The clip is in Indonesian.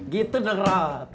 gitu deh rat